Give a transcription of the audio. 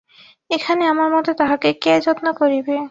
এখানে আমার মতো তাঁহাকে কে যত্ন করিবে?